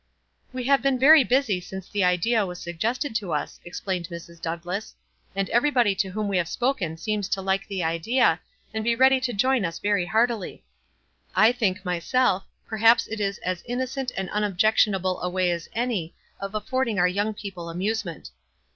11 We have been very busy since the idea was suggested to us," explained Mrs. Douglass, "and everybody to whom we have spoken seems to like the idea, and be ready to join us very heartily. I think, rcryself, perhaps it is as in nocent and unobjectionable a way as any of af fording our young people amusement.